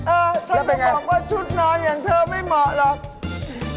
ฉันบอกว่าชุดนอนอย่างเธอไม่เหมาะหรอก